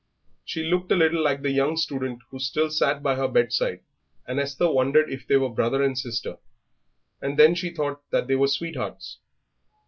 She looked a little like the young student who still sat by her bedside, and Esther wondered if they were brother and sister, and then she thought that they were sweethearts.